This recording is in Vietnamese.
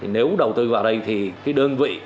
nếu đầu tư vào đây thì cái đơn vị